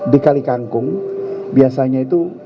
dikali kangkung biasanya itu